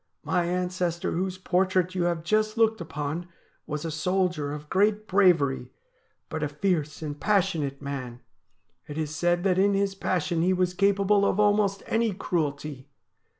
My ancestor whose portrait you have just looked upon was a soldier of great bravery, but a fierce and passionate man. It is said that in his passion he was capable of almost any cruelty.